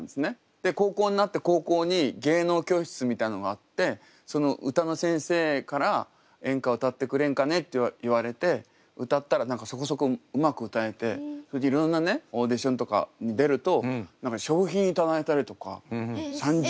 高校になって高校に芸能教室みたいなのがあって歌の先生から「演歌を歌ってくれんかね」と言われて歌ったら何かそこそこうまく歌えてそれでいろんなオーディションとかに出ると賞品頂いたりとか３０。